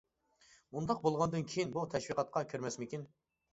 ئۇنداق بولغاندىن كىيىن بۇ تەشۋىقاتقا كىرمەسمىكىن.